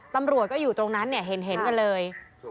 ตำรวจก็อยู่ตรงนั้นเนี่ยเห็นกันเลย